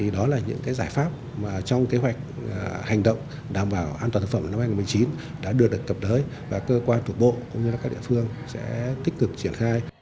đó là những giải pháp trong kế hoạch hành động đảm bảo an toàn thực phẩm năm hai nghìn một mươi chín đã được đặt cập đới và cơ quan thuộc bộ cũng như các địa phương sẽ tích cực triển khai